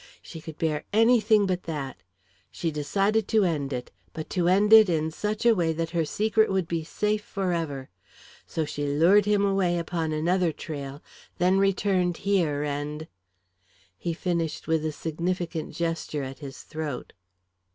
She could bear anything but that. She decided to end it but to end it in such a way that her secret would be safe forever. So she lured him away upon another trail, then returned here and " He finished with a significant gesture at his throat.